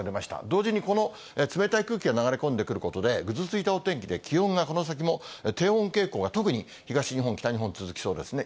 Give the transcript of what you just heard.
同時に、この冷たい空気が流れ込んでくることで、ぐずついたお天気で、気温がこの先も低温傾向が特に東日本、北日本、続きそうですね。